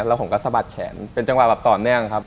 แล้วผมก็สะบัดแขนเป็นจังหวะแบบต่อเนื่องครับ